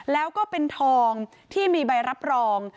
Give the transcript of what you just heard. แล้วก็เป็นทองที่มีใบรับรอง